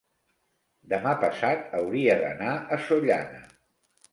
Demà passat hauria d'anar a Sollana.